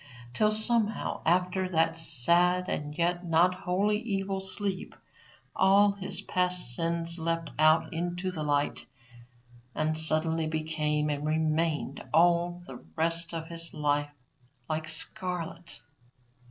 Till, somehow, after that sad and yet not wholly evil sleep, all his past sins leapt out into the light and suddenly became and remained all the rest of his life like scarlet.